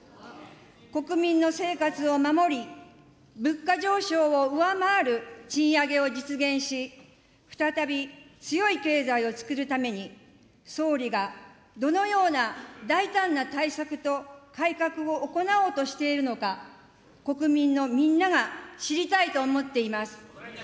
国民の生活を守り、物価上昇を上回る賃上げを実現し、再び強い経済をつくるために、総理がどのような大胆な対策と改革を行おうとしているのか、国民のみんなが知りたいと思っています。